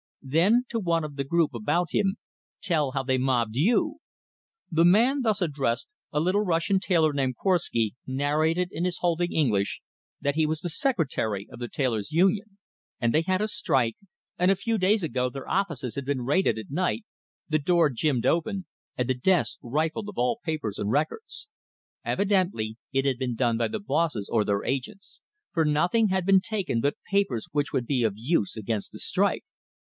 Then, to one of the group about him: "Tell how they mobbed you!" The man thus addressed, a little Russian tailor named Korwsky, narrated in his halting English that he was the secretary of the tailors' union, and they had a strike, and a few days ago their offices had been raided at night, the door "jimmed" open and the desk rifled of all the papers and records. Evidently it had been done by the bosses or their agents, for nothing had been taken but papers which would be of use against the strike.